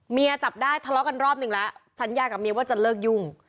จับได้ทะเลาะกันรอบหนึ่งแล้วสัญญากับเมียว่าจะเลิกยุ่ง